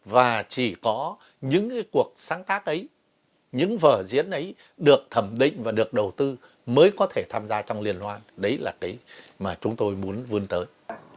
và chỉ có những cuộc sáng tác ấy những vở diễn ấy được thẩm định và được đầu tư mới có thể tham gia trong liên hoan đấy là cái mà chúng tôi muốn vươn tới